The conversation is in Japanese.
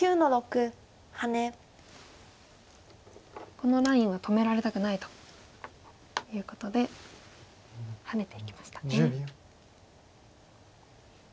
このラインは止められたくないということでハネていきましたね。